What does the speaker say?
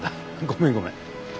ごめんごめん。